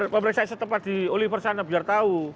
pemeriksaan setempat di oliver sana biar tahu